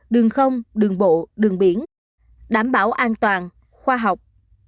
đường không đường bộ đường biển đảm bảo an toàn khoa học